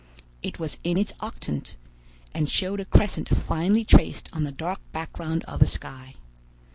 It was in its octant, and showed a crescent finely traced on the dark background of the sky.